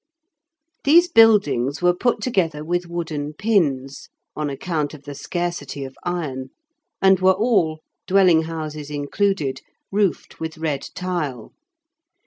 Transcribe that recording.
These buildings were put together with wooden pins, on account of the scarcity of iron, and were all (dwelling houses included) roofed with red tile.